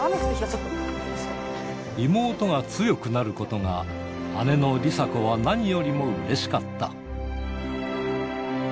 妹が強くなることが、姉の梨紗子は何よりもうれしかった。